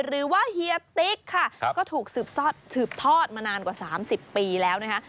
เฮียติ๊กค่ะก็ถูกสืบทอดมานานกว่า๓๐ปีแล้วนะคะ